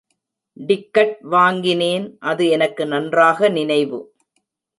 Ticket வாங்கினேன், அது எனக்கு நன்றாக நினைவு.